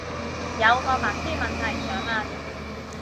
有個白癡問題想問